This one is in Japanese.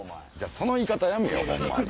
その言い方やめぇよ！